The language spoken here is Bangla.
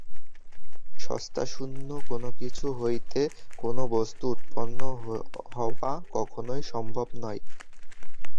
সত্তাশূন্য কোন কিছু হইতে কোন বস্তু উৎপন্ন হওয়া কখনই সম্ভব নয়।